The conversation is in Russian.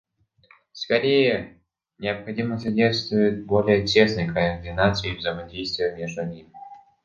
Скорее, необходимо содействовать более тесной координации и взаимодействию между ними.